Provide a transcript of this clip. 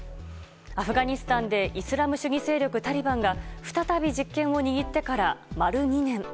アフガニスタンでイスラム主義勢力タリバンが再び実権を握ってから丸２年。